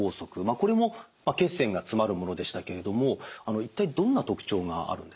これも血栓が詰まるものでしたけれども一体どんな特徴があるんですか？